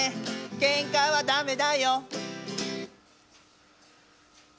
「けんかはダメだよ」